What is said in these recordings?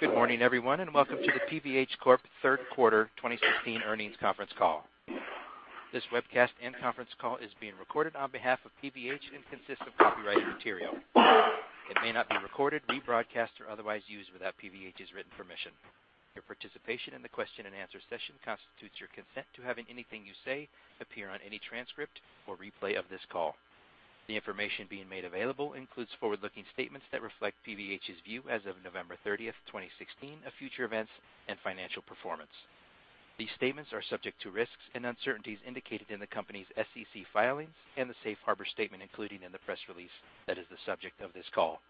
Good morning, everyone, and welcome to the PVH Corp. Third Quarter 2016 Earnings Conference Call. This webcast and conference call is being recorded on behalf of PVH and consists of copyrighted material. It may not be recorded, rebroadcast, or otherwise used without PVH's written permission. Your participation in the question and answer session constitutes your consent to having anything you say appear on any transcript or replay of this call. The information being made available includes forward-looking statements that reflect PVH's view as of November 30th, 2016, of future events and financial performance. These statements are subject to risks and uncertainties indicated in the company's SEC filings and the safe harbor statement included in the press release that is the subject of this call.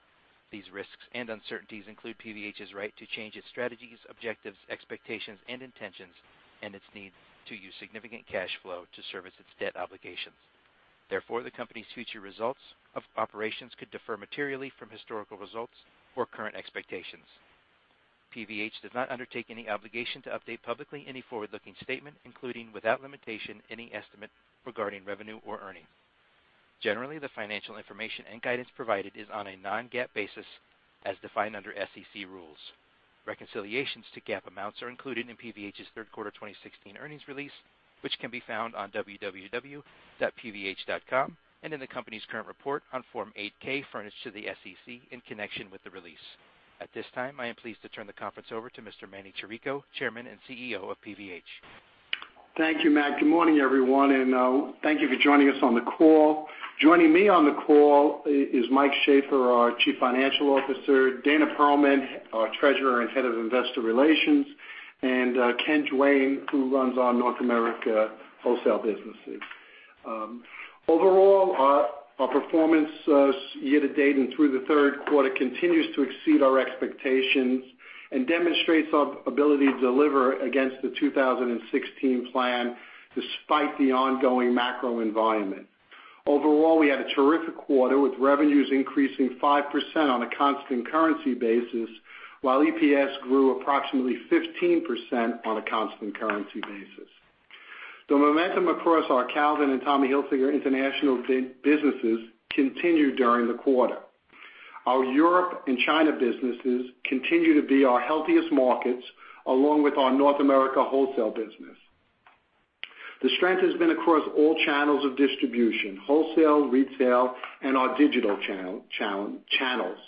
These risks and uncertainties include PVH's right to change its strategies, objectives, expectations, and intentions, and its need to use significant cash flow to service its debt obligations. Therefore, the company's future results of operations could differ materially from historical results or current expectations. PVH does not undertake any obligation to update publicly any forward-looking statement, including, without limitation, any estimate regarding revenue or earning. Generally, the financial information and guidance provided is on a non-GAAP basis as defined under SEC rules. Reconciliations to GAAP amounts are included in PVH's Third Quarter 2016 earnings release, which can be found on www.pvh.com and in the company's current report on Form 8-K furnished to the SEC in connection with the release. At this time, I am pleased to turn the conference over to Mr. Manny Chirico, Chairman and CEO of PVH. Thank you, Matt. Good morning, everyone, and thank you for joining us on the call. Joining me on the call is Mike Shaffer, our Chief Financial Officer, Dana Perlman, our Treasurer and Head of Investor Relations, and Ken Duane, who runs our North America wholesale businesses. Overall, our performance year-to-date and through the third quarter continues to exceed our expectations and demonstrates our ability to deliver against the 2016 plan despite the ongoing macro environment. Overall, we had a terrific quarter with revenues increasing 5% on a constant currency basis, while EPS grew approximately 15% on a constant currency basis. The momentum across our Calvin and Tommy Hilfiger international businesses continued during the quarter. Our Europe and China businesses continue to be our healthiest markets, along with our North America wholesale business. The strength has been across all channels of distribution, wholesale, retail, and our digital channels.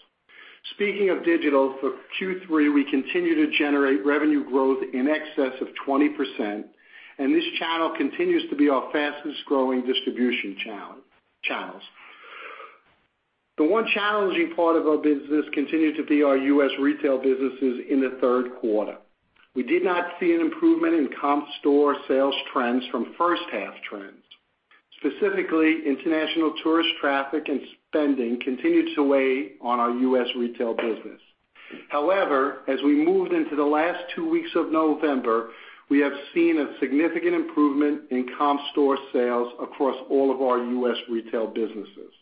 Speaking of digital, for Q3, we continue to generate revenue growth in excess of 20%. This channel continues to be our fastest-growing distribution channels. The one challenging part of our business continued to be our U.S. retail businesses in the third quarter. We did not see an improvement in comp store sales trends from first half trends. Specifically, international tourist traffic and spending continued to weigh on our U.S. retail business. As we moved into the last two weeks of November, we have seen a significant improvement in comp store sales across all of our U.S. retail businesses.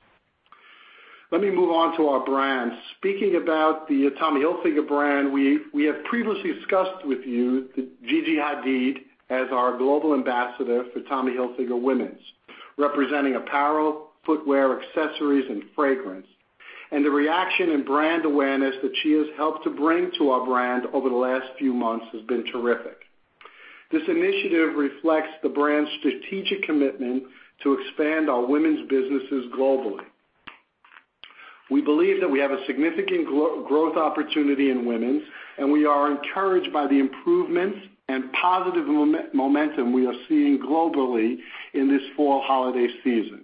Let me move on to our brands. Speaking about the Tommy Hilfiger brand, we have previously discussed with you Gigi Hadid as our global ambassador for Tommy Hilfiger Women's, representing apparel, footwear, accessories, and fragrance, and the reaction and brand awareness that she has helped to bring to our brand over the last few months has been terrific. This initiative reflects the brand's strategic commitment to expand our women's businesses globally. We believe that we have a significant growth opportunity in women's, and we are encouraged by the improvements and positive momentum we are seeing globally in this fall holiday season.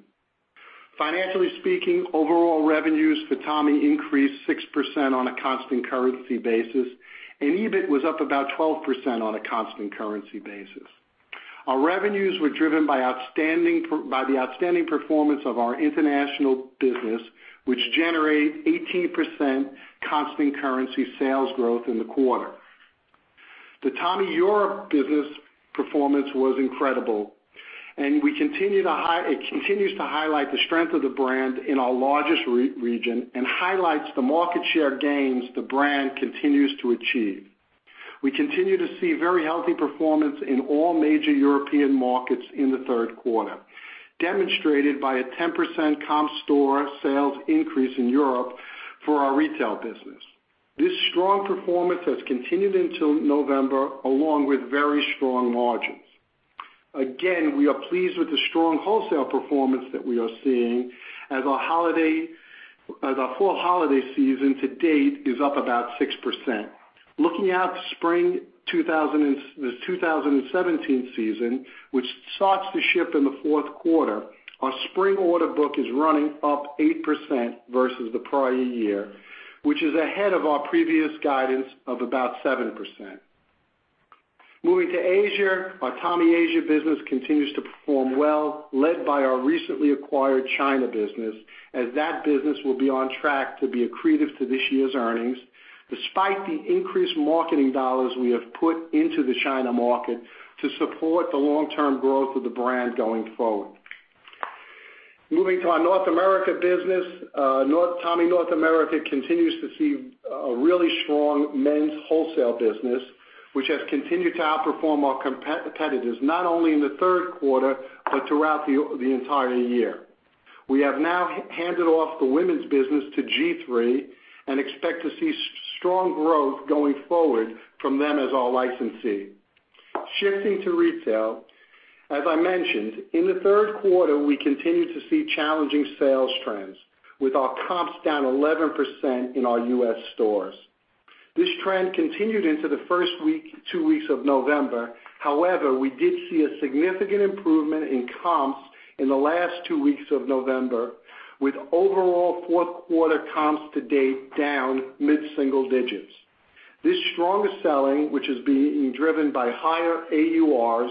Financially speaking, overall revenues for Tommy increased 6% on a constant currency basis, and EBIT was up about 12% on a constant currency basis. Our revenues were driven by the outstanding performance of our international business, which generated 18% constant currency sales growth in the quarter. The Tommy Europe business performance was incredible, and it continues to highlight the strength of the brand in our largest region and highlights the market share gains the brand continues to achieve. We continue to see very healthy performance in all major European markets in the third quarter, demonstrated by a 10% comp store sales increase in Europe for our retail business. This strong performance has continued into November, along with very strong margins. Again, we are pleased with the strong wholesale performance that we are seeing as our fall holiday season to date is up about 6%. Looking out spring 2017 season, which starts to ship in the fourth quarter, our spring order book is running up 8% versus the prior year, which is ahead of our previous guidance of about 7%. Moving to Asia, our Tommy Asia business continues to perform well, led by our recently acquired China business, as that business will be on track to be accretive to this year's earnings, despite the increased marketing dollars we have put into the China market to support the long-term growth of the brand going forward. Moving to our North America business, Tommy North America continues to see a really strong men's wholesale business, which has continued to outperform our competitors, not only in the third quarter, but throughout the entire year. We have now handed off the women's business to G-III and expect to see strong growth going forward from them as our licensee. Shifting to retail, as I mentioned, in the third quarter, we continued to see challenging sales trends, with our comps down 11% in our U.S. stores. This trend continued into the first two weeks of November. We did see a significant improvement in comps in the last two weeks of November, with overall fourth quarter comps to date down mid-single digits. This stronger selling, which is being driven by higher AURs,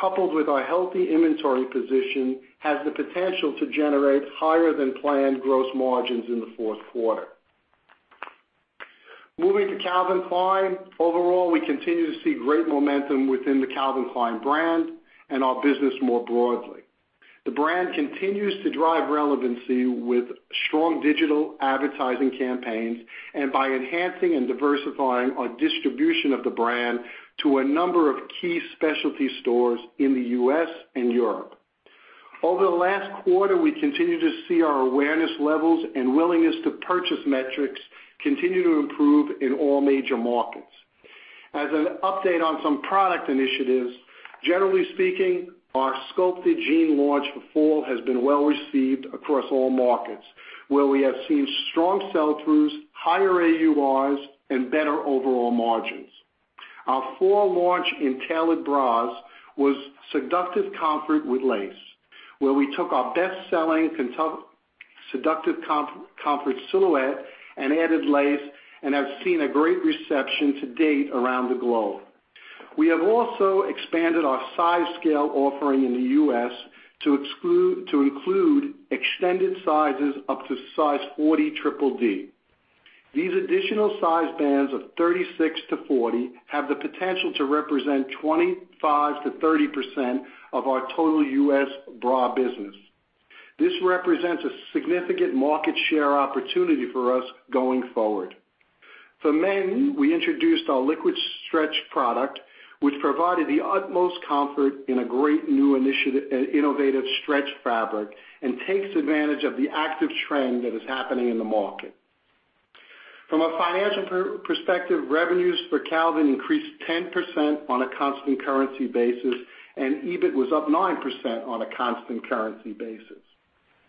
coupled with our healthy inventory position, has the potential to generate higher than planned gross margins in the fourth quarter. Moving to Calvin Klein. Overall, we continue to see great momentum within the Calvin Klein brand and our business more broadly. The brand continues to drive relevancy with strong digital advertising campaigns and by enhancing and diversifying our distribution of the brand to a number of key specialty stores in the U.S. and Europe. Over the last quarter, we continued to see our awareness levels and willingness to purchase metrics continue to improve in all major markets. As an update on some product initiatives, generally speaking, our Sculpted Jean launch for fall has been well received across all markets, where we have seen strong sell-throughs, higher AURs, and better overall margins. Our fall launch in tailored bras was Seductive Comfort with lace, where we took our best-selling Seductive Comfort silhouette and added lace and have seen a great reception to date around the globe. We have also expanded our size scale offering in the U.S. to include extended sizes up to size 40DDD. These additional size bands of 36-40 have the potential to represent 25%-30% of our total U.S. bra business. This represents a significant market share opportunity for us going forward. For men, we introduced our Liquid stretch product, which provided the utmost comfort in a great new innovative stretch fabric and takes advantage of the active trend that is happening in the market. From a financial perspective, revenues for Calvin increased 10% on a constant currency basis. EBIT was up 9% on a constant currency basis.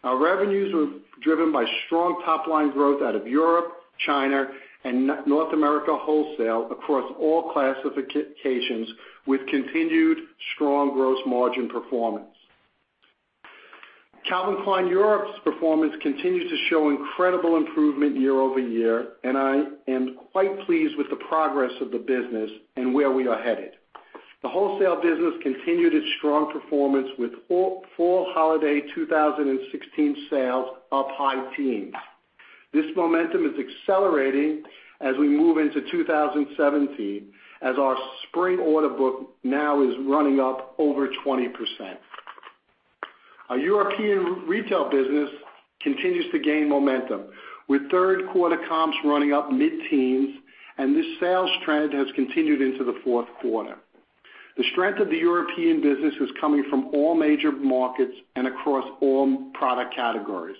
Our revenues were driven by strong top-line growth out of Europe, China, and North America wholesale across all classifications, with continued strong gross margin performance. Calvin Klein Europe's performance continues to show incredible improvement year-over-year, and I am quite pleased with the progress of the business and where we are headed. The wholesale business continued its strong performance with fall holiday 2016 sales up high teens. This momentum is accelerating as we move into 2017, as our spring order book now is running up over 20%. Our European retail business continues to gain momentum, with third quarter comps running up mid-teens, and this sales trend has continued into the fourth quarter. The strength of the European business is coming from all major markets and across all product categories,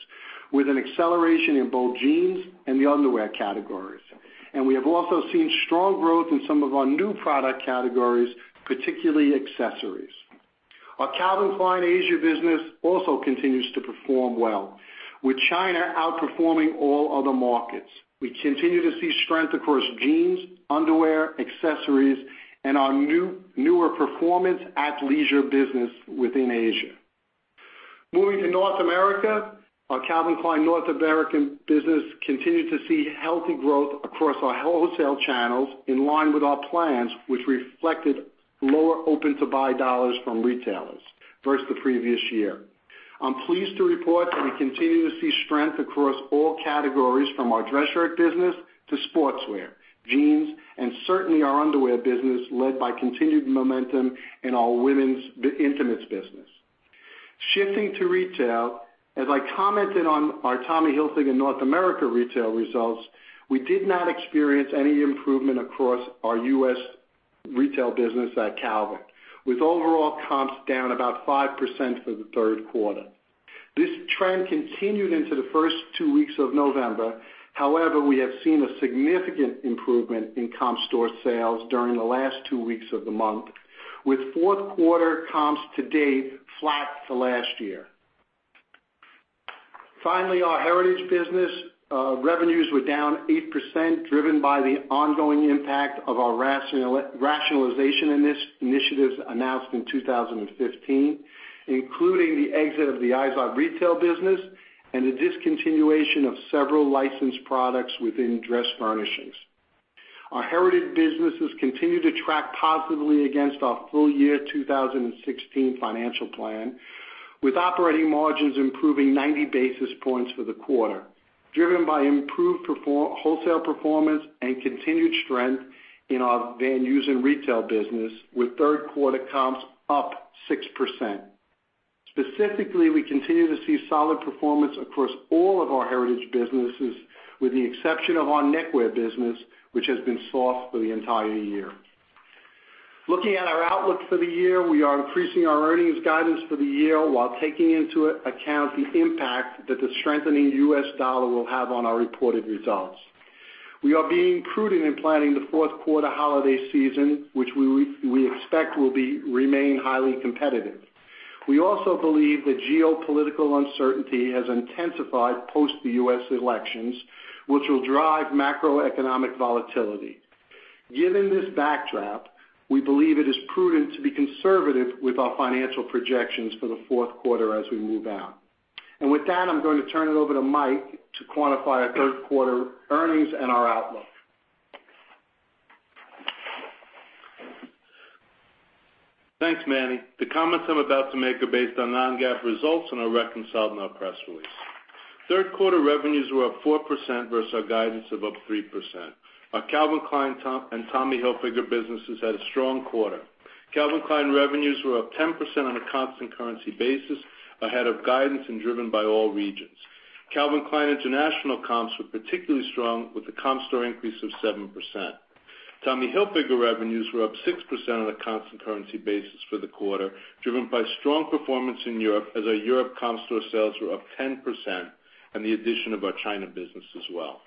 with an acceleration in both jeans and the underwear categories. We have also seen strong growth in some of our new product categories, particularly accessories. Our Calvin Klein Asia business also continues to perform well, with China outperforming all other markets. We continue to see strength across jeans, underwear, accessories, and our newer performance athleisure business within Asia. Moving to North America, our Calvin Klein North American business continued to see healthy growth across our wholesale channels in line with our plans, which reflected lower open-to-buy dollars from retailers versus the previous year. I'm pleased to report that we continue to see strength across all categories from our dress shirt business to sportswear, jeans, and certainly our underwear business, led by continued momentum in our women's intimates business. Shifting to retail, as I commented on our Tommy Hilfiger North America retail results, we did not experience any improvement across our U.S. retail business at Calvin, with overall comps down about 5% for the third quarter. This trend continued into the first two weeks of November. However, we have seen a significant improvement in comp store sales during the last two weeks of the month, with fourth quarter comps to date flat to last year. Finally, our Heritage business revenues were down 8%, driven by the ongoing impact of our rationalization initiatives announced in 2015, including the exit of the IZOD retail business and the discontinuation of several licensed products within dress furnishings. Our Heritage businesses continue to track positively against our full year 2016 financial plan, with operating margins improving 90 basis points for the quarter, driven by improved wholesale performance and continued strength in our Van Heusen retail business, with third-quarter comps up 6%. Specifically, we continue to see solid performance across all of our Heritage businesses, with the exception of our knitwear business, which has been soft for the entire year. Looking at our outlook for the year, we are increasing our earnings guidance for the year while taking into account the impact that the strengthening U.S. dollar will have on our reported results. We are being prudent in planning the fourth quarter holiday season, which we expect will remain highly competitive. We also believe that geopolitical uncertainty has intensified post the U.S. elections, which will drive macroeconomic volatility. Given this backdrop, we believe it is prudent to be conservative with our financial projections for the fourth quarter as we move out. With that, I'm going to turn it over to Mike to quantify our third quarter earnings and our outlook. Thanks, Manny. The comments I'm about to make are based on non-GAAP results and are reconciled in our press release. Third quarter revenues were up 4% versus our guidance of up 3%. Our Calvin Klein and Tommy Hilfiger businesses had a strong quarter. Calvin Klein revenues were up 10% on a constant currency basis, ahead of guidance and driven by all regions. Calvin Klein International comps were particularly strong, with a comp store increase of 7%. Tommy Hilfiger revenues were up 6% on a constant currency basis for the quarter, driven by strong performance in Europe as our Europe comp store sales were up 10% and the addition of our China business as well.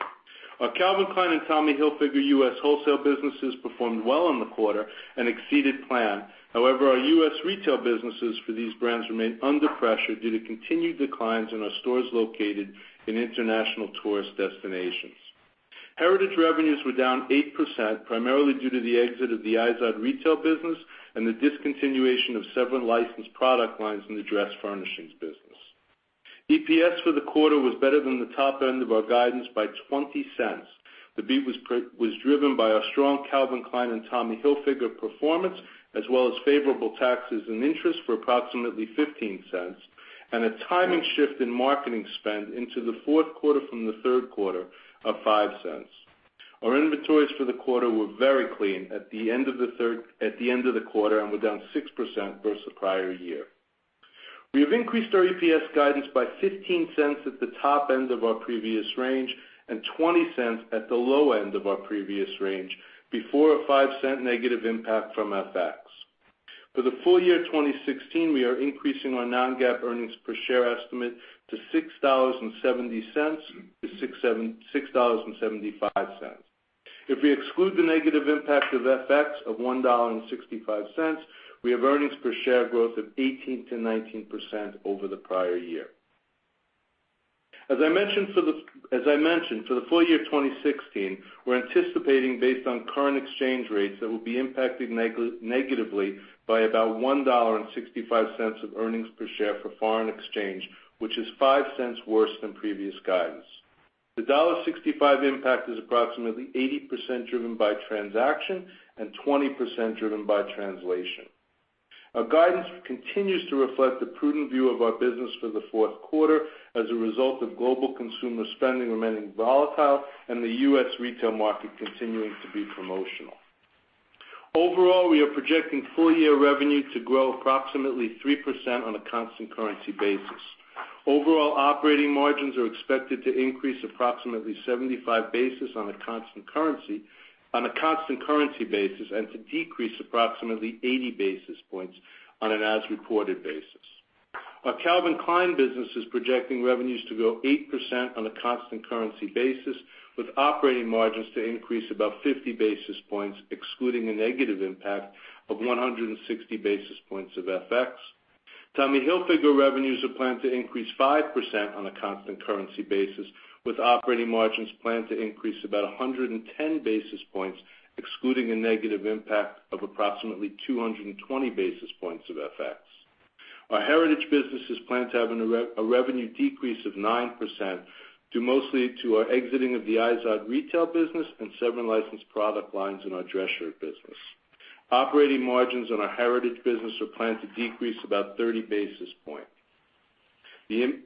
Our Calvin Klein and Tommy Hilfiger U.S. wholesale businesses performed well in the quarter and exceeded plan. Our U.S. retail businesses for these brands remain under pressure due to continued declines in our stores located in international tourist destinations. Heritage revenues were down 8%, primarily due to the exit of the IZOD retail business and the discontinuation of several licensed product lines in the dress furnishings business. EPS for the quarter was better than the top end of our guidance by $0.20. The beat was driven by our strong Calvin Klein and Tommy Hilfiger performance, as well as favorable taxes and interest for approximately $0.15, and a timing shift in marketing spend into the fourth quarter from the third quarter of $0.05. Our inventories for the quarter were very clean at the end of the quarter and were down 6% versus the prior year. We have increased our EPS guidance by $0.15 at the top end of our previous range and $0.20 at the low end of our previous range, before a $0.05 negative impact from FX. For the full year 2016, we are increasing our non-GAAP earnings per share estimate to $6.70-$6.75. If we exclude the negative impact of FX of $1.65, we have earnings per share growth of 18%-19% over the prior year. As I mentioned, for the full year 2016, we are anticipating based on current exchange rates, that we will be impacted negatively by about $1.65 of earnings per share for foreign exchange, which is $0.05 worse than previous guidance. The $1.65 impact is approximately 80% driven by transaction and 20% driven by translation. Our guidance continues to reflect the prudent view of our business for the fourth quarter as a result of global consumer spending remaining volatile and the U.S. retail market continuing to be promotional. Overall, we are projecting full-year revenue to grow approximately 3% on a constant currency basis. Overall operating margins are expected to increase approximately 75 basis on a constant currency basis, and to decrease approximately 80 basis points on an as-reported basis. Our Calvin Klein business is projecting revenues to grow 8% on a constant currency basis, with operating margins to increase about 50 basis points, excluding a negative impact of 160 basis points of FX. Tommy Hilfiger revenues are planned to increase 5% on a constant currency basis, with operating margins planned to increase about 110 basis points, excluding a negative impact of approximately 220 basis points of FX. Our Heritage business is planned to have a revenue decrease of 9%, mostly due to our exiting of the IZOD retail business and several licensed product lines in our dress shirt business. Operating margins on our Heritage business are planned to decrease about 30 basis point. The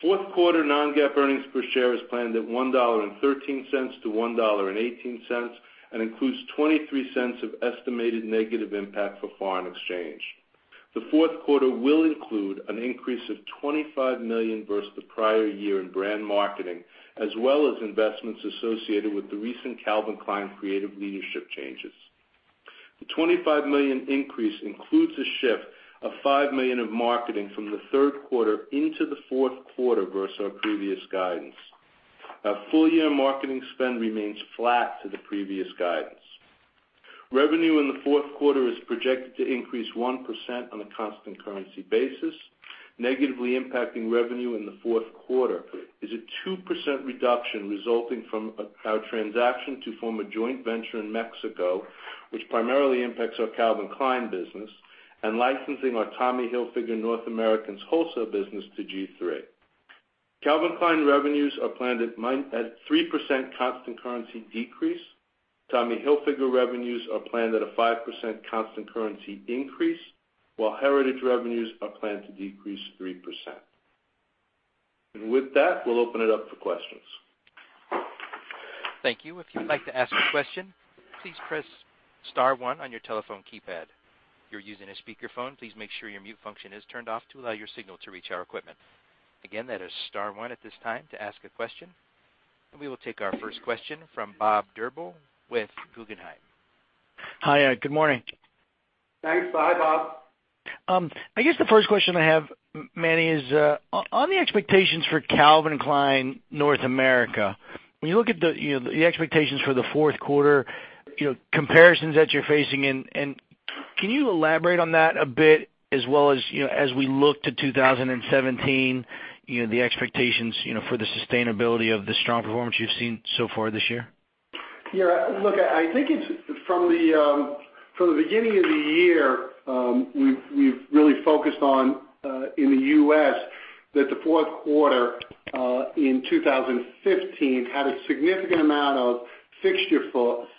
fourth quarter non-GAAP earnings per share is planned at $1.13-$1.18, and includes $0.23 of estimated negative impact for foreign exchange. The fourth quarter will include an increase of $25 million versus the prior year in brand marketing, as well as investments associated with the recent Calvin Klein creative leadership changes. The $25 million increase includes a shift of $5 million of marketing from the third quarter into the fourth quarter versus our previous guidance. Our full-year marketing spend remains flat to the previous guidance. Revenue in the fourth quarter is projected to increase 1% on a constant currency basis. Negatively impacting revenue in the fourth quarter is a 2% reduction resulting from our transaction to form a joint venture in Mexico, which primarily impacts our Calvin Klein business, and licensing our Tommy Hilfiger North America's wholesale business to G-III. Calvin Klein revenues are planned at 3% constant currency decrease. Tommy Hilfiger revenues are planned at a 5% constant currency increase, while Heritage revenues are planned to decrease 3%. With that, we will open it up for questions. Thank you. If you would like to ask a question, please press *1 on your telephone keypad. If you're using a speakerphone, please make sure your mute function is turned off to allow your signal to reach our equipment. Again, that is *1 at this time to ask a question. We will take our first question from Bob Drbul with Guggenheim. Hi, good morning. Thanks. Hi, Bob. I guess the first question I have, Manny, is on the expectations for Calvin Klein North America. When you look at the expectations for the fourth quarter comparisons that you're facing in, can you elaborate on that a bit as well as we look to 2017, the expectations, for the sustainability of the strong performance you've seen so far this year? Yeah, look, I think from the beginning of the year, we've really focused on, in the U.S., that the fourth quarter, in 2015, had a significant amount of fixture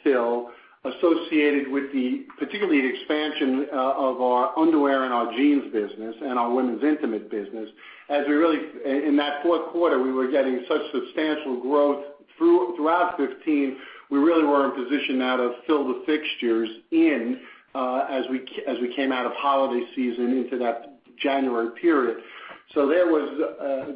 fill associated with the, particularly the expansion of our underwear and our jeans business and our women's intimate business. In that fourth quarter, we were getting such substantial growth throughout 2015, we really were in a position now to fill the fixtures in as we came out of holiday season into that January period. From a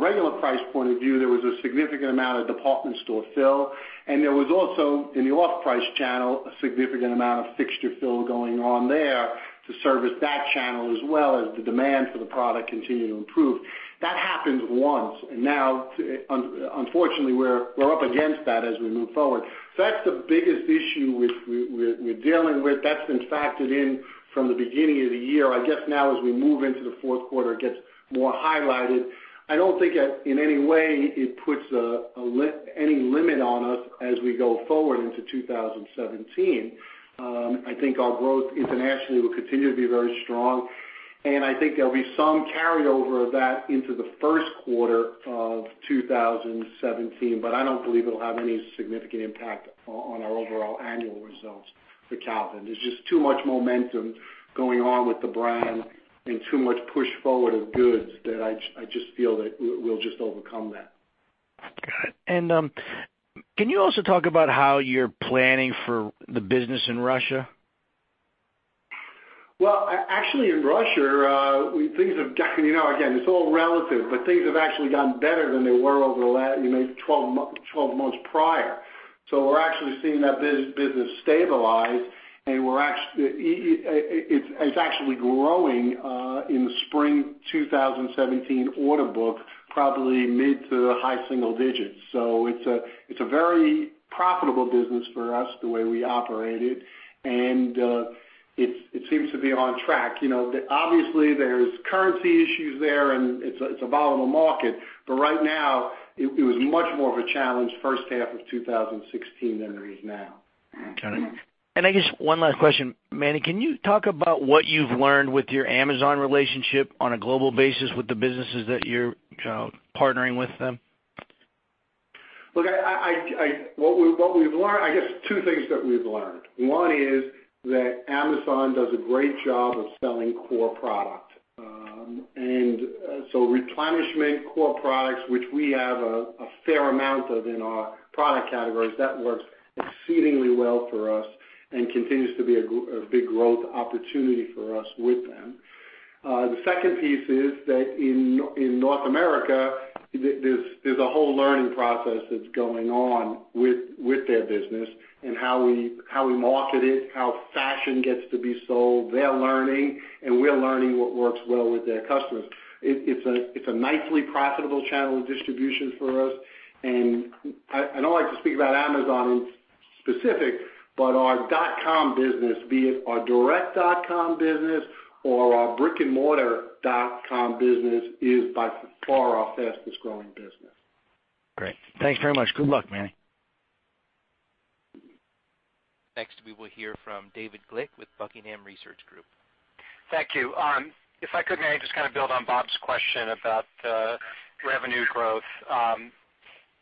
regular price point of view, there was a significant amount of department store fill, and there was also, in the off-price channel, a significant amount of fixture fill going on there to service that channel, as well as the demand for the product continued to improve. That happens once. Now, unfortunately, we're up against that as we move forward. That's the biggest issue we're dealing with. That's been factored in from the beginning of the year. I guess now as we move into the fourth quarter, it gets more highlighted. I don't think in any way it puts any limit on us as we go forward into 2017. I think our growth internationally will continue to be very strong, and I think there'll be some carryover of that into the first quarter of 2017. I don't believe it'll have any significant impact on our overall annual results for Calvin. There's just too much momentum going on with the brand and too much push forward of goods that I just feel that we'll just overcome that. Got it. Can you also talk about how you're planning for the business in Russia? Well, actually in Russia, again, it's all relative, but things have actually gotten better than they were over the last 12 months prior. We're actually seeing that business stabilize, and it's actually growing, in the spring 2017 order book, probably mid to high single digits. It's a very profitable business for us the way we operate it, and it seems to be on track. Obviously, there's currency issues there, and it's a volatile market. Right now, it was much more of a challenge first half of 2016 than it is now. Got it. I guess one last question. Manny, can you talk about what you've learned with your Amazon relationship on a global basis with the businesses that you're partnering with them? Look, I guess two things that we've learned. One is that Amazon does a great job of selling core product. Replenishment core products, which we have a fair amount of in our product categories, that works exceedingly well for us and continues to be a big growth opportunity for us with them. The second piece is that in North America, there's a whole learning process that's going on with their business and how we market it, how fashion gets to be sold. They're learning, and we're learning what works well with their customers. It's a nicely profitable channel of distribution for us, and I don't like to speak about Amazon in specific, but our dotcom business, be it our direct dotcom business or our brick-and-mortar dotcom business, is by far our fastest growing business. Great. Thanks very much. Good luck, Manny. Next, we will hear from David Glick with Buckingham Research Group. Thank you. If I could, Manny, just build on Bob's question about the revenue growth.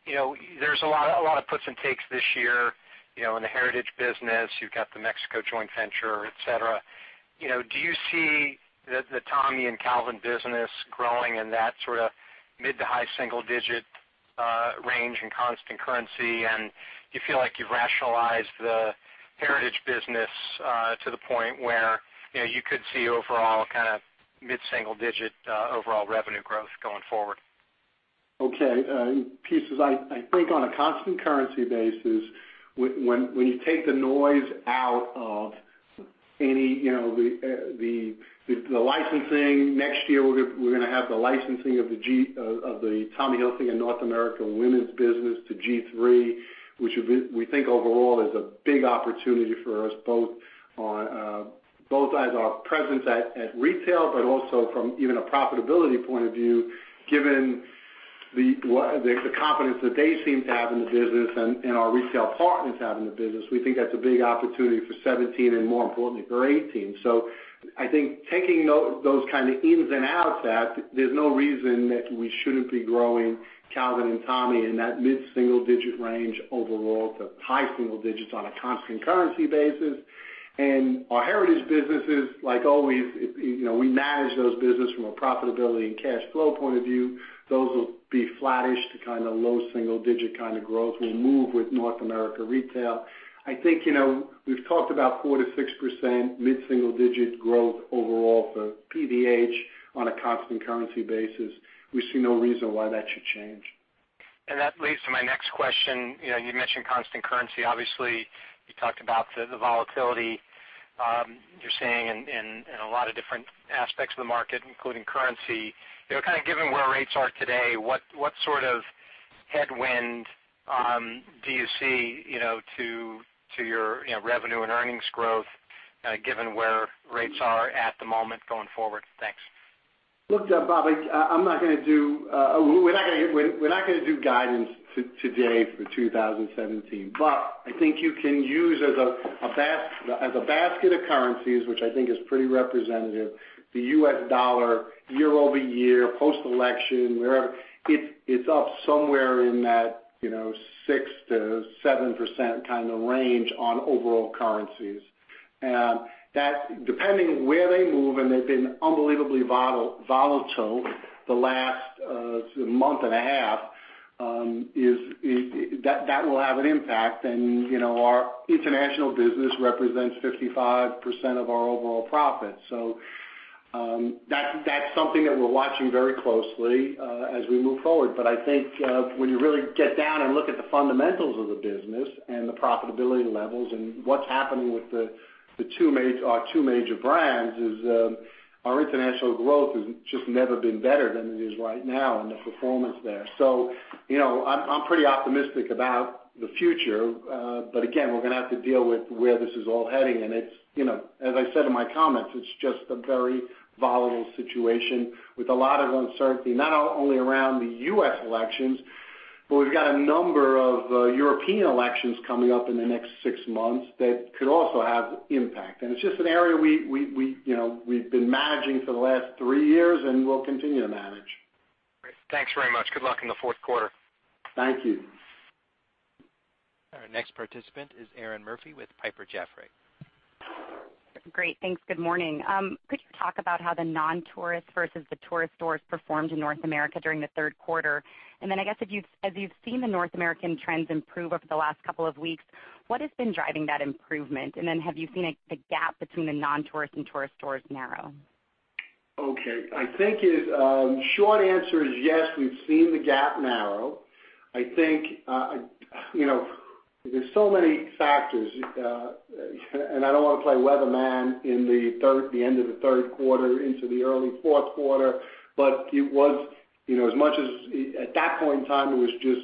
There's a lot of puts and takes this year, in the heritage business. You've got the Mexico joint venture, et cetera. Do you see the Tommy and Calvin business growing in that sort of mid to high single digit range in constant currency? Do you feel like you've rationalized the heritage business to the point where you could see overall mid-single digit overall revenue growth going forward? Okay. In pieces, I think on a constant currency basis, when you take the noise out of the licensing, next year, we're going to have the licensing of the Tommy Hilfiger North America women's business to G-III, which we think overall is a big opportunity for us, both as our presence at retail, but also from even a profitability point of view, given the confidence that they seem to have in the business and our retail partners have in the business. We think that's a big opportunity for 2017 and, more importantly, for 2018. I think taking those kinds of ins and outs out, there's no reason that we shouldn't be growing Calvin and Tommy in that mid-single digit range overall to high single digits on a constant currency basis. Our heritage businesses, like always, we manage those business from a profitability and cash flow point of view. Those will be flattish to low single digit kind of growth. We'll move with North America retail. I think we've talked about 4%-6%, mid-single digit growth overall for PVH on a constant currency basis. We see no reason why that should change. That leads to my next question. You mentioned constant currency. Obviously, you talked about the volatility you are seeing in a lot of different aspects of the market, including currency. Given where rates are today, what sort of headwind do you see to your revenue and earnings growth given where rates are at the moment going forward? Thanks. Looked up, Bobby, we're not going to do guidance today for 2017. I think you can use as a basket of currencies, which I think is pretty representative, the U.S. dollar year-over-year, post-election, wherever, it's up somewhere in that 6%-7% range on overall currencies. Depending where they move, and they've been unbelievably volatile the last month and a half, that will have an impact and our international business represents 55% of our overall profits. That's something that we're watching very closely as we move forward. I think when you really get down and look at the fundamentals of the business and the profitability levels and what's happening with our two major brands is our international growth has just never been better than it is right now and the performance there. I'm pretty optimistic about the future. Again, we're going to have to deal with where this is all heading, and as I said in my comments, it's just a very volatile situation with a lot of uncertainty, not only around the U.S. elections, we've got a number of European elections coming up in the next six months that could also have impact. It's just an area we've been managing for the last three years and will continue to manage. Great. Thanks very much. Good luck in the fourth quarter. Thank you. Our next participant is Erinn Murphy with Piper Jaffray. Great. Thanks. Good morning. Could you talk about how the non-tourist versus the tourist stores performed in North America during the third quarter? I guess as you've seen the North American trends improve over the last couple of weeks, what has been driving that improvement? Have you seen a gap between the non-tourist and tourist stores narrow? Okay. I think the short answer is yes, we've seen the gap narrow. I think there's so many factors, and I don't want to play weatherman in the end of the third quarter into the early fourth quarter, but at that point in time, it was just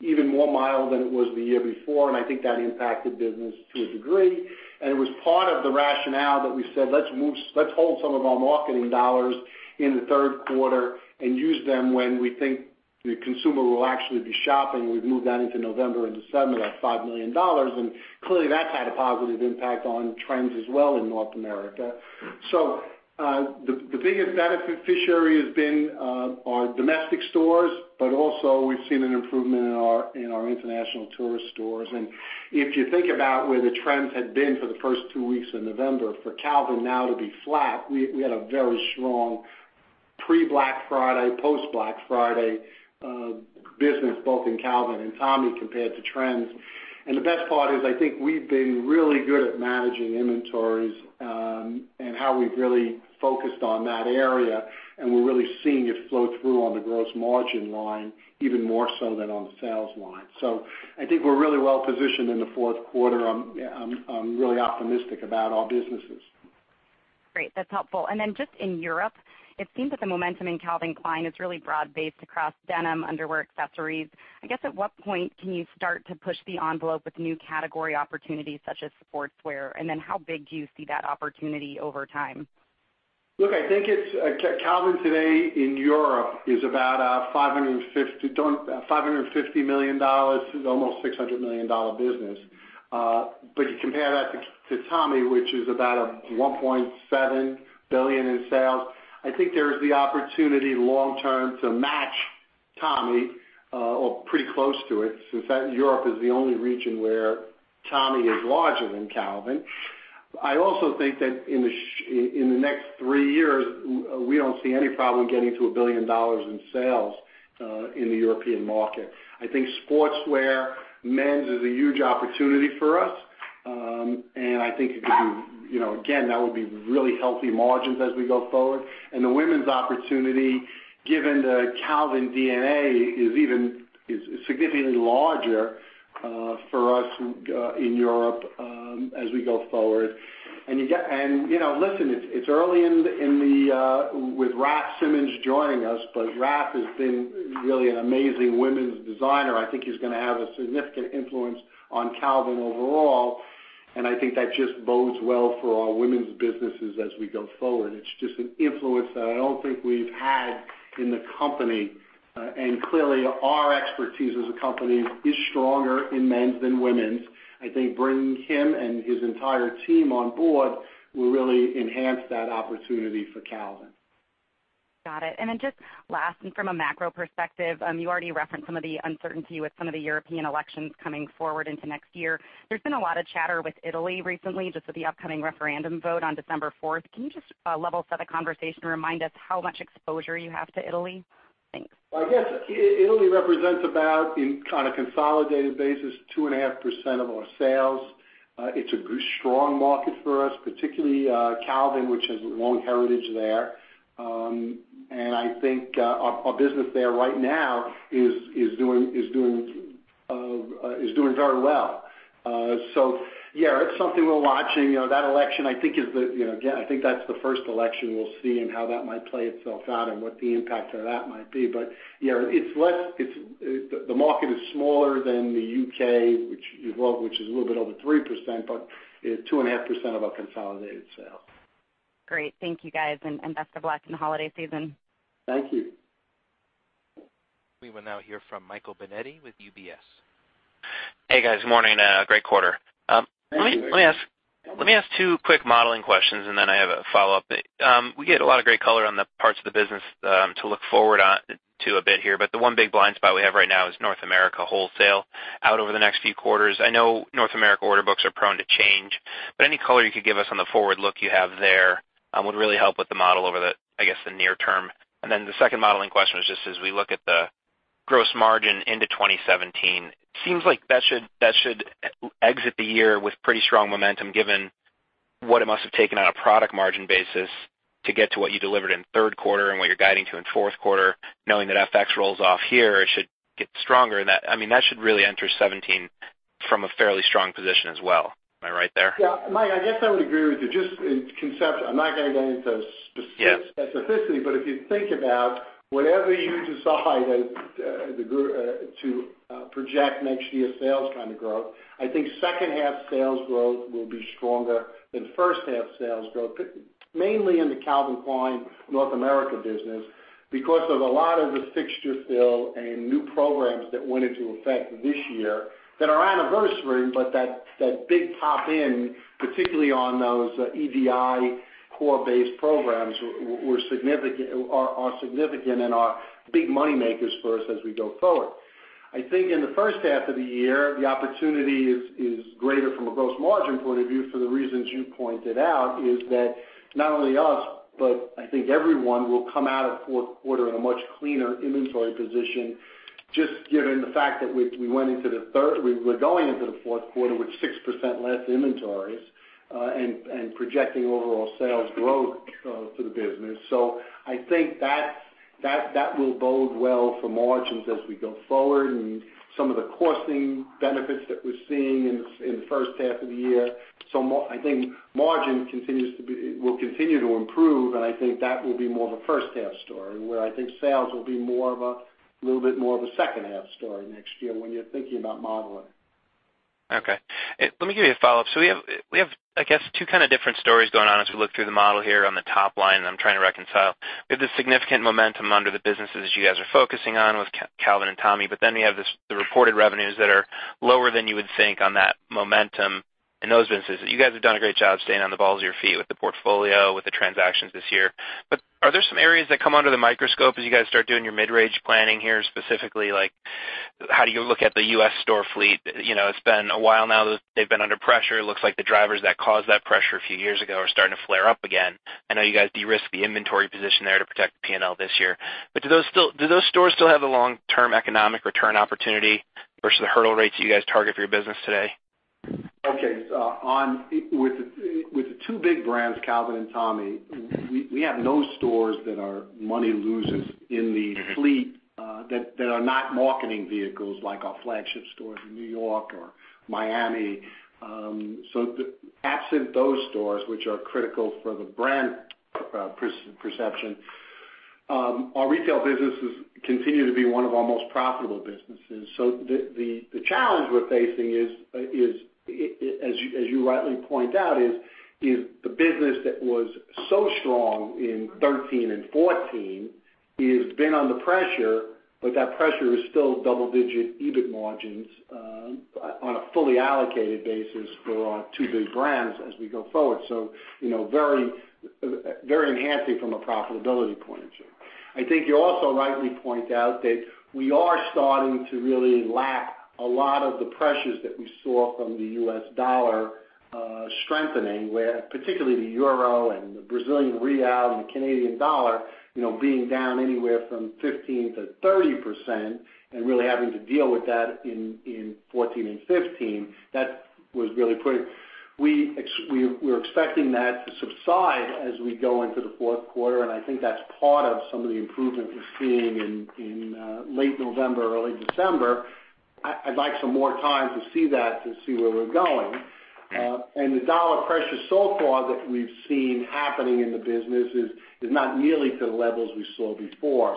even more mild than it was the year before, and I think that impacted business to a degree. It was part of the rationale that we said, let's hold some of our marketing dollars in the third quarter and use them when we think the consumer will actually be shopping. We've moved that into November and December, that $5 million, and clearly, that's had a positive impact on trends as well in North America. The biggest beneficiary has been our domestic stores, but also we've seen an improvement in our international tourist stores. If you think about where the trends had been for the first two weeks of November, for Calvin now to be flat, we had a very strong pre Black Friday, post Black Friday business, both in Calvin and Tommy compared to trends. The best part is I think we've been really good at managing inventories, and how we've really focused on that area, and we're really seeing it flow through on the gross margin line even more so than on the sales line. I think we're really well positioned in the fourth quarter. I'm really optimistic about our businesses. Great. That's helpful. Just in Europe, it seems that the momentum in Calvin Klein is really broad-based across denim, underwear, accessories. I guess at what point can you start to push the envelope with new category opportunities such as sportswear? How big do you see that opportunity over time? Look, I think Calvin today in Europe is about a $550 million-$600 million business. You compare that to Tommy, which is about $1.7 billion in sales, I think there is the opportunity long term to match Tommy, or pretty close to it, since Europe is the only region where Tommy is larger than Calvin. I also think that in the next three years, we don't see any problem getting to a $1 billion in sales in the European market. I think sportswear men's is a huge opportunity for us, and again, that would be really healthy margins as we go forward. The women's opportunity, given the Calvin DNA, is significantly larger for us in Europe as we go forward. Listen, it's early with Raf Simons joining us, but Raf has been really an amazing women's designer. I think he's going to have a significant influence on Calvin overall, I think that just bodes well for our women's businesses as we go forward. It's just an influence that I don't think we've had in the company. Clearly our expertise as a company is stronger in men's than women's. I think bringing him and his entire team on board will really enhance that opportunity for Calvin. Got it. Just last, from a macro perspective, you already referenced some of the uncertainty with some of the European elections coming forward into next year. There's been a lot of chatter with Italy recently, just with the upcoming referendum vote on December 4th. Can you just level set a conversation and remind us how much exposure you have to Italy? Thanks. I guess Italy represents about, on a consolidated basis, 2.5% of our sales. It's a strong market for us, particularly Calvin, which has a long heritage there. I think our business there right now is doing very well. Yeah, it's something we're watching. That election, again, I think that's the first election we'll see and how that might play itself out and what the impact of that might be. It's less. The market is smaller than the U.K., which is a little bit over 3%, but it's 2.5% of our consolidated sales. Great. Thank you guys, best of luck in the holiday season. Thank you. We will now hear from Michael Binetti with UBS. Hey, guys. Morning. Great quarter. Thank you. Let me ask two quick modeling questions, and then I have a follow-up. We get a lot of great color on the parts of the business to look forward to a bit here, but the one big blind spot we have right now is North America wholesale out over the next few quarters. I know North America order books are prone to change, but any color you could give us on the forward look you have there would really help with the model over the near term. The second modeling question was just as we look at the gross margin into 2017, it seems like that should exit the year with pretty strong momentum given what it must have taken on a product margin basis to get to what you delivered in third quarter and what you're guiding to in fourth quarter. Knowing that FX rolls off here, it should get stronger. That should really enter 2017 from a fairly strong position as well. Am I right there? Yeah. Mike, I guess I would agree with you. Just in concept, I'm not going to go into specificity. Yeah. If you think about whatever you decide to project next year's sales growth, I think second half sales growth will be stronger than first half sales growth, mainly in the Calvin Klein North America business because of a lot of the fixture fill and new programs that went into effect this year that are anniversary-ing. That big pop in, particularly on those EDI core base programs, are significant and are big money makers for us as we go forward. I think in the first half of the year, the opportunity is greater from a gross margin point of view for the reasons you pointed out, is that not only us, but I think everyone will come out of fourth quarter in a much cleaner inventory position, just given the fact that we're going into the fourth quarter with 6% less inventories and projecting overall sales growth for the business. I think that will bode well for margins as we go forward and some of the costing benefits that we're seeing in the first half of the year. I think margin will continue to improve, and I think that will be more of a first half story, where I think sales will be a little bit more of a second half story next year when you're thinking about modeling. Okay. Let me give you a follow-up. We have two different stories going on as we look through the model here on the top line that I'm trying to reconcile. We have this significant momentum under the businesses that you guys are focusing on with Calvin Klein and Tommy Hilfiger, then we have the reported revenues that are lower than you would think on that momentum in those instances. You guys have done a great job staying on the balls of your feet with the portfolio, with the transactions this year. Are there some areas that come under the microscope as you guys start doing your mid-range planning here, specifically like how do you look at the U.S. store fleet? It's been a while now that they've been under pressure. It looks like the drivers that caused that pressure a few years ago are starting to flare up again. I know you guys de-risked the inventory position there to protect the P&L this year. Do those stores still have the long-term economic return opportunity versus the hurdle rates you guys target for your business today? Okay. With the two big brands, Calvin Klein and Tommy Hilfiger, we have no stores that are money losers in the fleet that are not marketing vehicles like our flagship stores in New York or Miami. Absent those stores, which are critical for the brand perception, our retail businesses continue to be one of our most profitable businesses. The challenge we're facing is, as you rightly point out, is the business that was so strong in 2013 and 2014 has been under pressure, but that pressure is still double-digit EBIT margins on a fully allocated basis for our two big brands as we go forward. Very enhancing from a profitability point of view. I think you also rightly point out that we are starting to really lap a lot of the pressures that we saw from the U.S. dollar strengthening, where particularly the euro and the Brazilian real and the Canadian dollar being down anywhere from 15%-30% and really having to deal with that in 2014 and 2015. That was really pretty. We're expecting that to subside as we go into the fourth quarter, and I think that's part of some of the improvement we're seeing in late November, early December. I'd like some more time to see that, to see where we're going. The dollar pressure so far that we've seen happening in the business is not nearly to the levels we saw before.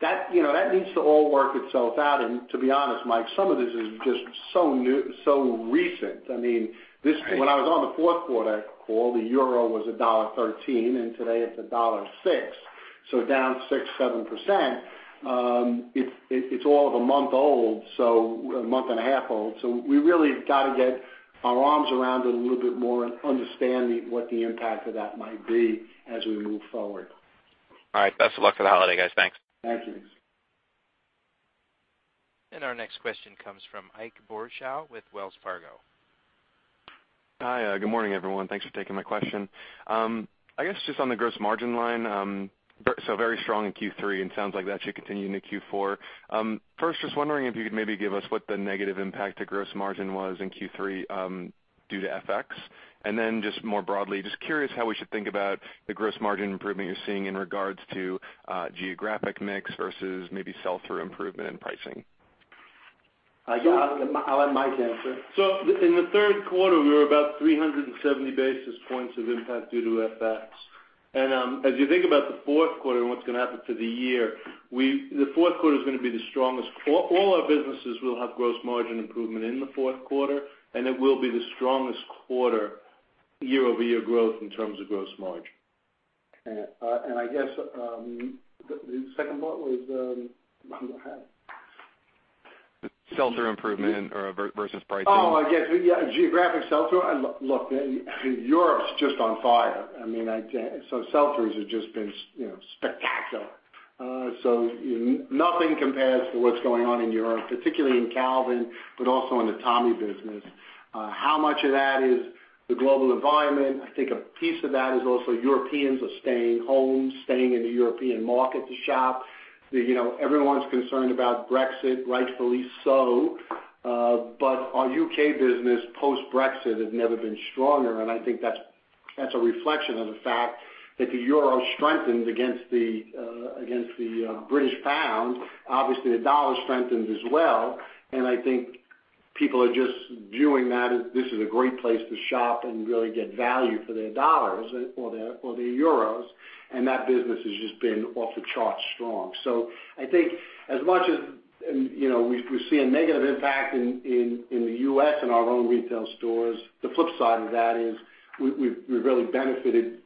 That needs to all work itself out. To be honest, Mike, some of this is just so new, so recent. Right. When I was on the fourth quarter call, the euro was $1.13, and today it's $1.06, down 6%, 7%. It's all of a month old, a month and a half old. We really got to get our arms around it a little bit more and understand what the impact of that might be as we move forward. All right. Best of luck for the holiday, guys. Thanks. Thank you. Our next question comes from Ike Boruchow with Wells Fargo. Hi. Good morning, everyone. Thanks for taking my question. I guess just on the gross margin line. Very strong in Q3, and sounds like that should continue into Q4. First, just wondering if you could maybe give us what the negative impact to gross margin was in Q3 due to FX. Just more broadly, just curious how we should think about the gross margin improvement you're seeing in regards to geographic mix versus maybe sell-through improvement and pricing. I'll let Mike answer. In the third quarter, we were about 370 basis points of impact due to FX. As you think about the fourth quarter and what's going to happen to the year, the fourth quarter is going to be the strongest. All our businesses will have gross margin improvement in the fourth quarter, and it will be the strongest quarter year-over-year growth in terms of gross margin. I guess the second part was I'm ahead. The sell-through improvement or versus pricing. Oh, I guess. Yeah. Geographic sell-through. Look, Europe's just on fire. Sell-throughs have just been spectacular. Nothing compares to what's going on in Europe, particularly in Calvin, but also in the Tommy business. How much of that is the global environment? I think a piece of that is also Europeans are staying home, staying in the European market to shop. Everyone's concerned about Brexit, rightfully so. Our U.K. business post-Brexit has never been stronger, and I think that's a reflection of the fact that the euro strengthened against the British pound. Obviously, the dollar strengthened as well, and I think people are just viewing that as this is a great place to shop and really get value for their dollars or their euros, and that business has just been off the charts strong. I think as much as we see a negative impact in the U.S. in our own retail stores, the flip side of that is we've really benefited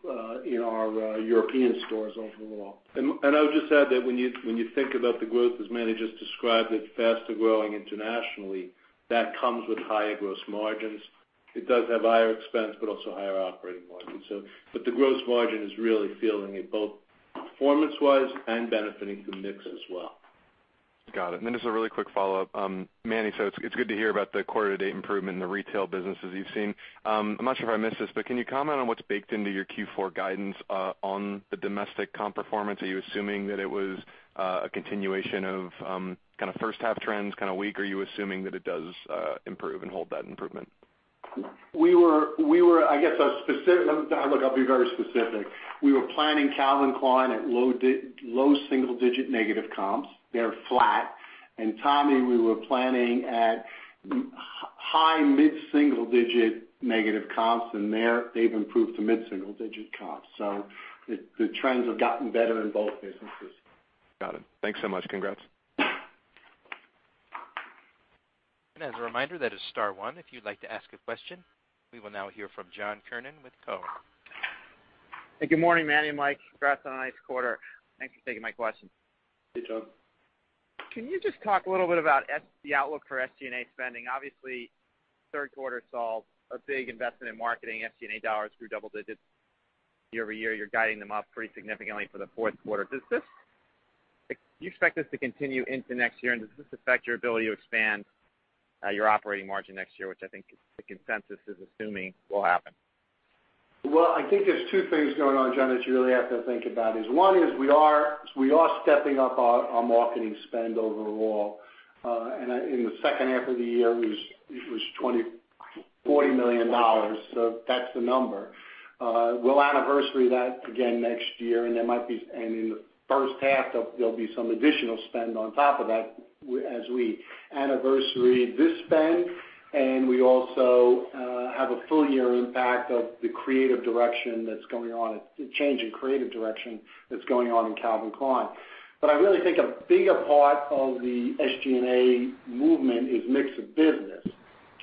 in our European stores overall. I would just add that when you think about the growth, as Manny just described, it's faster growing internationally. That comes with higher gross margins. It does have higher expense, but also higher operating margins. The gross margin is really feeling it both performance-wise and benefiting from mix as well. Got it. Then just a really quick follow-up. Manny said it's good to hear about the quarter to date improvement in the retail businesses you've seen. I'm not sure if I missed this, but can you comment on what's baked into your Q4 guidance on the domestic comp performance? Are you assuming that it was a continuation of first half trends, kind of weak, or are you assuming that it does improve and hold that improvement? Look, I'll be very specific. We were planning Calvin Klein at low single-digit negative comps. They're flat. Tommy, we were planning at high mid-single digit negative comps, and they've improved to mid-single digit comps. The trends have gotten better in both businesses. Got it. Thanks so much. Congrats. As a reminder, that is star one if you'd like to ask a question. We will now hear from John Kernan with Cowen. Good morning, Manny and Mike. Congrats on a nice quarter. Thanks for taking my question. Hey, John. Can you just talk a little bit about the outlook for SG&A spending? Obviously, third quarter saw a big investment in marketing. SG&A dollars grew double digits year-over-year. You're guiding them up pretty significantly for the fourth quarter. Do you expect this to continue into next year, and does this affect your ability to expand your operating margin next year, which I think the consensus is assuming will happen? Well, I think there's two things going on, John, that you really have to think about is one is we are stepping up our marketing spend overall. In the second half of the year, it was $40 million, so that's the number. We'll anniversary that again next year, and in the first half, there'll be some additional spend on top of that as we anniversary this spend and we also have a full year impact of the creative direction that's going on, the change in creative direction that's going on in Calvin Klein. I really think a bigger part of the SG&A movement is mix of business.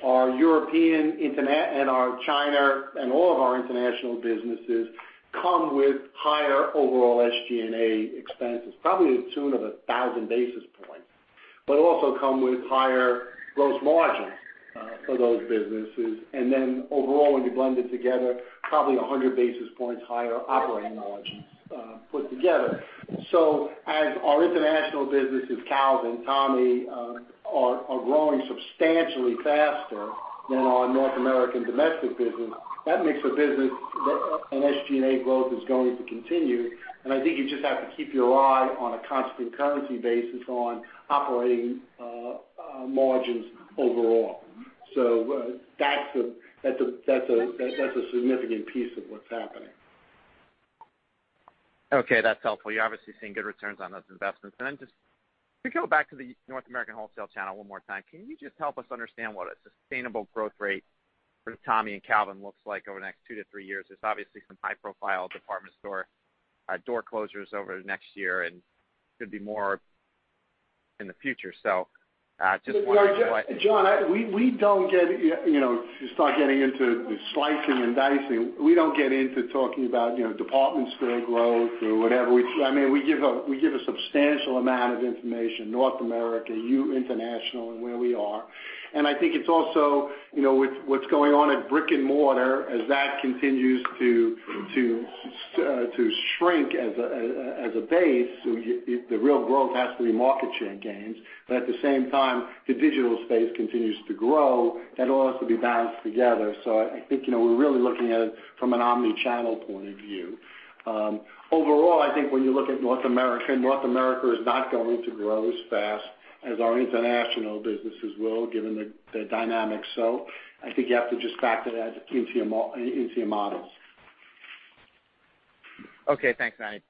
Our European, and our China, and all of our international businesses come with higher overall SG&A expenses, probably to the tune of 1,000 basis points, but also come with higher gross margins for those businesses. Overall, when you blend it together, probably 100 basis points higher operating margins put together. As our international businesses, Calvin, Tommy, are growing substantially faster than our North American domestic business, that makes a business that an SG&A growth is going to continue. I think you just have to keep your eye on a constant currency basis on operating margins overall. That's a significant piece of what's happening. Okay. That's helpful. You're obviously seeing good returns on those investments. Just to go back to the North American wholesale channel one more time, can you just help us understand what a sustainable growth rate for Tommy and Calvin looks like over the next two to three years? There's obviously some high-profile department store door closures over the next year and could be more in the future. Just wondering why- John, to start getting into the slicing and dicing, we don't get into talking about department store growth or whatever. We give a substantial amount of information, North America, international, and where we are. I think it's also what's going on at brick and mortar as that continues to shrink as a base. The real growth has to be market share gains. At the same time, the digital space continues to grow. That all has to be balanced together. I think we're really looking at it from an omni-channel point of view. Overall, I think when you look at North America, North America is not going to grow as fast as our international businesses will, given the dynamics. I think you have to just factor that into your models. Okay, thanks, Nate.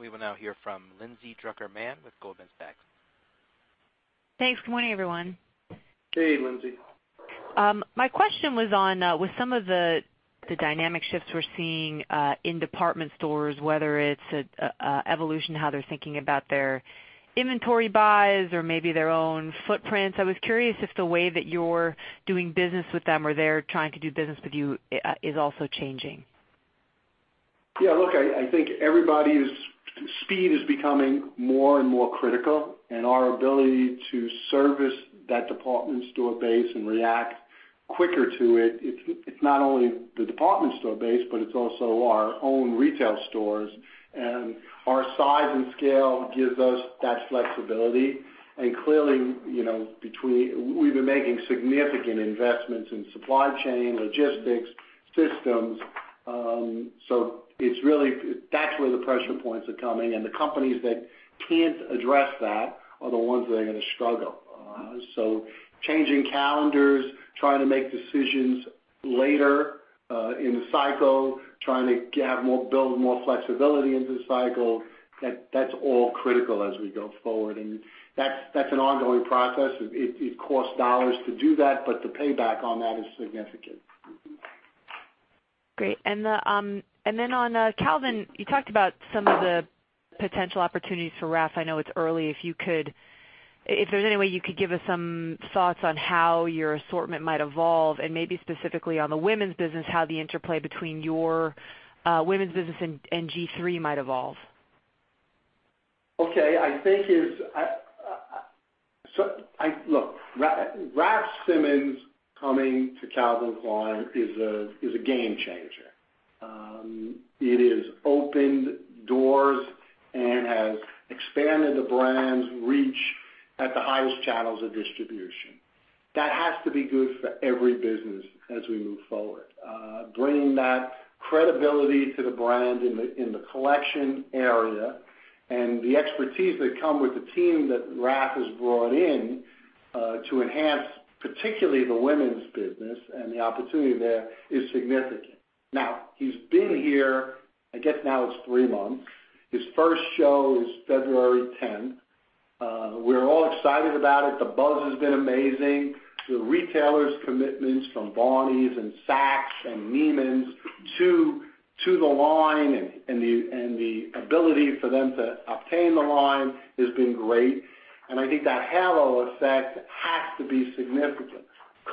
We will now hear from Lindsay Drucker Mann with Goldman Sachs. Thanks. Good morning, everyone. Hey, Lindsay. My question was with some of the dynamic shifts we're seeing in department stores, whether it's evolution, how they're thinking about their inventory buys or maybe their own footprints. I was curious if the way that you're doing business with them or they're trying to do business with you is also changing. Yeah, look, I think everybody's speed is becoming more and more critical, our ability to service that department store base and react quicker to it. It's not only the department store base, but it's also our own retail stores, and our size and scale gives us that flexibility. Clearly, we've been making significant investments in supply chain, logistics, systems. That's where the pressure points are coming, and the companies that can't address that are the ones that are going to struggle. Changing calendars, trying to make decisions later in the cycle, trying to build more flexibility into the cycle, that's all critical as we go forward. That's an ongoing process. It costs dollars to do that, but the payback on that is significant. Great. On Calvin, you talked about some of the potential opportunities for Raf. I know it's early. If there's any way you could give us some thoughts on how your assortment might evolve and maybe specifically on the women's business, how the interplay between your women's business and G-III might evolve. Look, Raf Simons coming to Calvin Klein is a game changer. It has opened doors and has expanded the brand's reach at the highest channels of distribution. That has to be good for every business as we move forward. Bringing that credibility to the brand in the collection area and the expertise that come with the team that Raf has brought in to enhance, particularly the women's business and the opportunity there, is significant. Now, he's been here, I guess, now it's three months. His first show is February 10th. We're all excited about it. The buzz has been amazing. The retailers' commitments from Barneys and Saks and Neiman's to the line, and the ability for them to obtain the line has been great, and I think that halo effect has to be significant.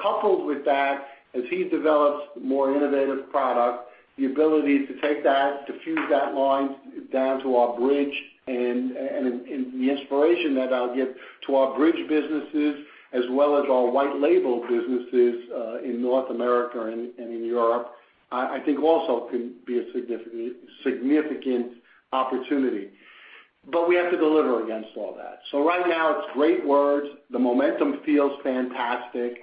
Coupled with that, as he develops more innovative product, the ability to take that, diffuse that line down to our bridge, and the inspiration that that'll give to our bridge businesses, as well as our white label businesses in North America and in Europe, I think also can be a significant opportunity. We have to deliver against all that. Right now it's great words. The momentum feels fantastic.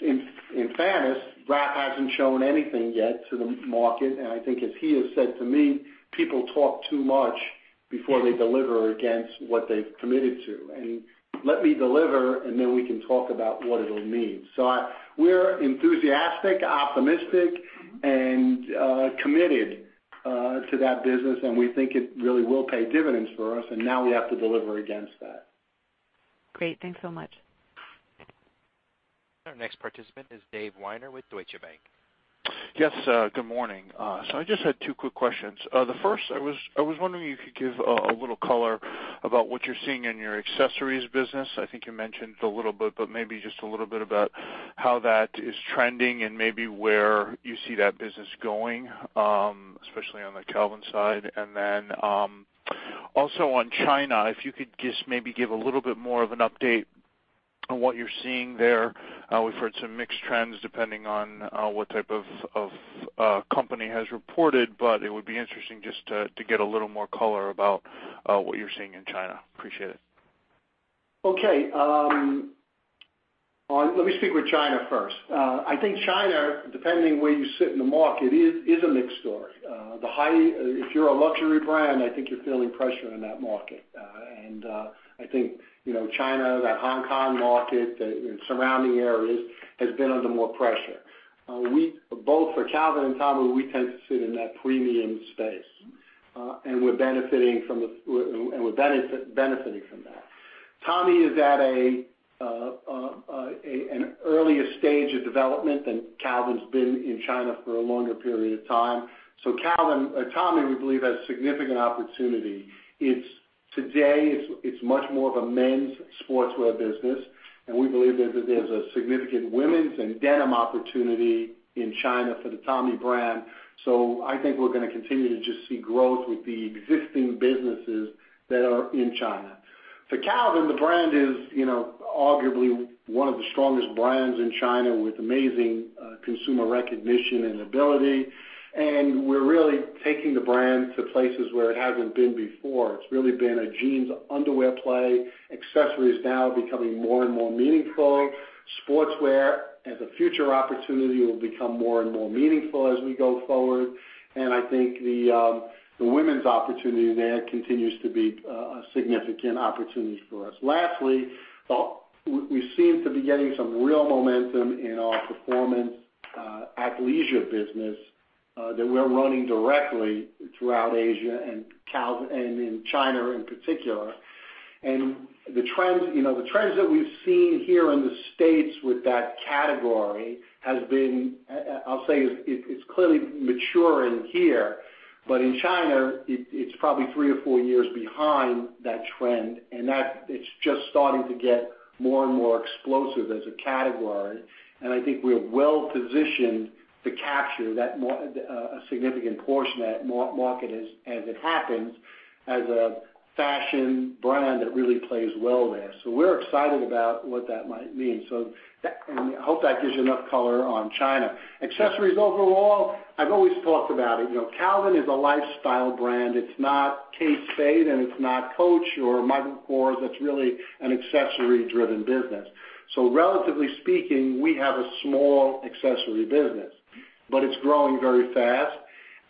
In fairness, Raf hasn't shown anything yet to the market. I think as he has said to me, "People talk too much before they deliver against what they've committed to." Let me deliver, and then we can talk about what it'll mean. We're enthusiastic, optimistic, and committed to that business, and we think it really will pay dividends for us, and now we have to deliver against that. Great. Thanks so much. Our next participant is Dave Weiner with Deutsche Bank. Yes, good morning. I just had two quick questions. The first, I was wondering if you could give a little color about what you're seeing in your accessories business. I think you mentioned a little bit, but maybe just a little bit about how that is trending and maybe where you see that business going, especially on the Calvin side. Also on China, if you could just maybe give a little bit more of an update on what you're seeing there. We've heard some mixed trends depending on what type of company has reported, but it would be interesting just to get a little more color about what you're seeing in China. Appreciate it. Okay. Let me speak with China first. I think China, depending where you sit in the market, is a mixed story. If you're a luxury brand, I think you're feeling pressure in that market. I think China, that Hong Kong market and surrounding areas, has been under more pressure. Both for Calvin and Tommy, we tend to sit in that premium space, and we're benefiting from that. Tommy is at an earlier stage of development than Calvin's been in China for a longer period of time. Tommy, we believe, has significant opportunity. Today, it's much more of a men's sportswear business, and we believe that there's a significant women's and denim opportunity in China for the Tommy brand. I think we're gonna continue to just see growth with the existing businesses that are in China. For Calvin, the brand is arguably one of the strongest brands in China with amazing consumer recognition and ability. We're really taking the brand to places where it hasn't been before. It's really been a jeans, underwear play. Accessories now are becoming more and more meaningful. Sportswear, as a future opportunity, will become more and more meaningful as we go forward. I think the women's opportunity there continues to be a significant opportunity for us. Lastly, we seem to be getting some real momentum in our performance athleisure business that we're running directly throughout Asia and in China in particular. The trends that we've seen here in the States with that category has been. I'll say, it's clearly maturing here, but in China, it's probably three or four years behind that trend. It's just starting to get more and more explosive as a category. I think we're well positioned to capture a significant portion of that market as it happens, as a fashion brand that really plays well there. We're excited about what that might mean. I hope that gives you enough color on China. Accessories overall, I've always talked about it. Calvin is a lifestyle brand. It's not Kate Spade, and it's not Coach or Michael Kors. It's really an accessory-driven business. Relatively speaking, we have a small accessory business. It's growing very fast.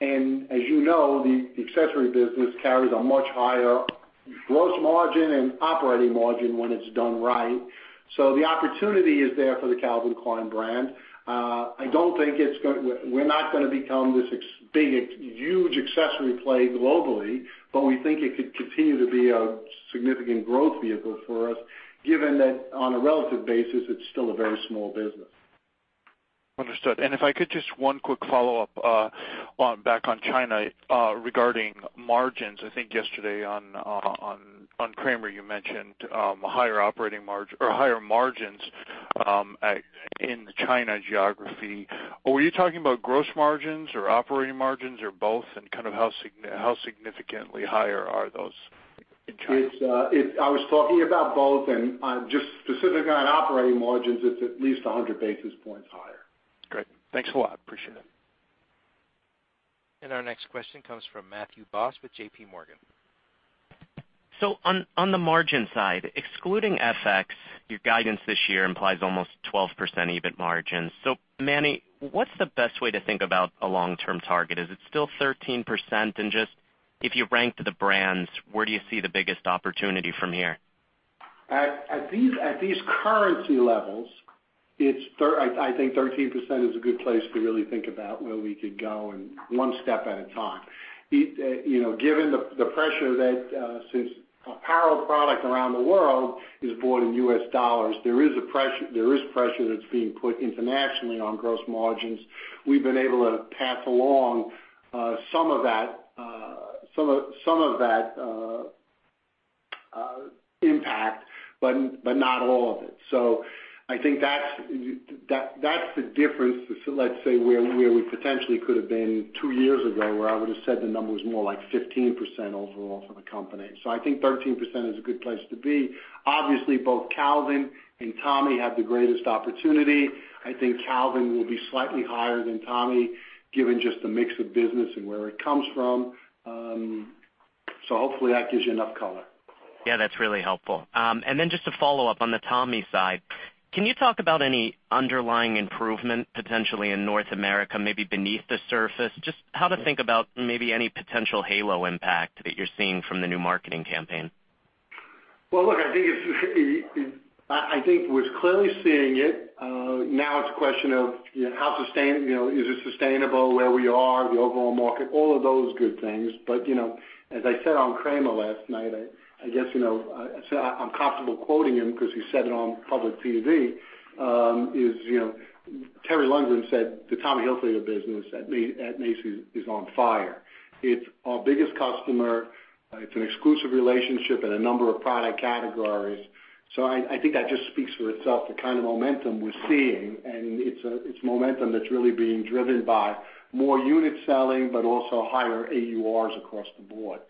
As you know, the accessory business carries a much higher gross margin and operating margin when it's done right. The opportunity is there for the Calvin Klein brand. We're not going to become this big, huge accessory play globally, but we think it could continue to be a significant growth vehicle for us, given that on a relative basis, it's still a very small business. Understood. If I could, just one quick follow-up back on China regarding margins. I think yesterday on Cramer you mentioned higher margins in the China geography. Were you talking about gross margins or operating margins or both? How significantly higher are those in China? I was talking about both, just specifically on operating margins, it's at least 100 basis points higher. Great. Thanks a lot. Appreciate it. Our next question comes from Matthew Boss with JPMorgan. On the margin side, excluding FX, your guidance this year implies almost 12% EBIT margin. Manny, what's the best way to think about a long-term target? Is it still 13%? Just, if you ranked the brands, where do you see the biggest opportunity from here? At these currency levels, I think 13% is a good place to really think about where we could go and one step at a time. Given the pressure that since apparel product around the world is bought in US dollars, there is pressure that's being put internationally on gross margins. We've been able to pass along some of that impact, but not all of it. I think that's the difference to, let's say, where we potentially could have been two years ago, where I would've said the number was more like 15% overall for the company. I think 13% is a good place to be. Obviously, both Calvin and Tommy have the greatest opportunity. I think Calvin will be slightly higher than Tommy, given just the mix of business and where it comes from. Hopefully, that gives you enough color. Yeah, that's really helpful. Then just a follow-up on the Tommy side. Can you talk about any underlying improvement potentially in North America, maybe beneath the surface? Just how to think about maybe any potential halo impact that you're seeing from the new marketing campaign. Well, look, I think we're clearly seeing it. Now it's a question of is it sustainable where we are, the overall market, all of those good things. As I said on Cramer last night, I guess I'm comfortable quoting him because he said it on public TV, is Terry Lundgren said the Tommy Hilfiger business at Macy's is on fire. It's our biggest customer. It's an exclusive relationship in a number of product categories. I think that just speaks for itself, the kind of momentum we're seeing, and it's momentum that's really being driven by more unit selling, but also higher AURs across the board.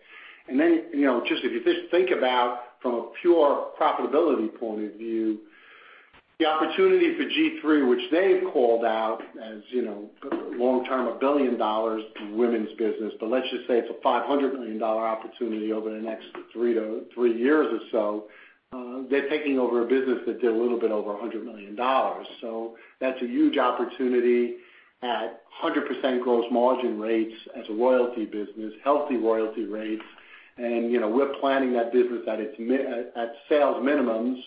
Then, if you just think about from a pure profitability point of view, the opportunity for G-III, which they've called out as long-term, a $1 billion in women's business, but let's just say it's a $500 million opportunity over the next three years or so. They're taking over a business that did a little bit over $100 million. That's a huge opportunity at 100% gross margin rates as a royalty business, healthy royalty rates. We're planning that business at sales minimums.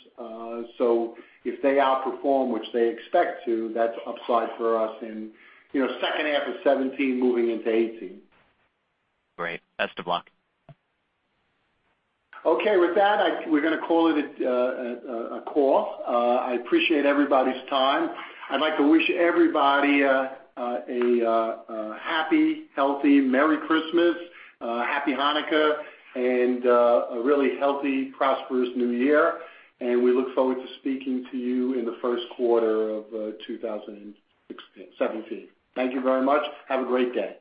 If they outperform, which they expect to, that's upside for us in second half of 2017 moving into 2018. Great. Best of luck. Okay. With that, we're going to call it a call. I appreciate everybody's time. I'd like to wish everybody a happy, healthy Merry Christmas, Happy Hanukkah, and a really healthy, prosperous new year. We look forward to speaking to you in the first quarter of 2017. Thank you very much. Have a great day